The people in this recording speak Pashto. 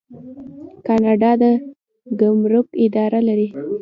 کاناډا د ګمرک اداره لري.